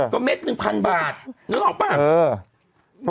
ก็เม็ดหนึ่งพันบาทนึกออกป่ะเออ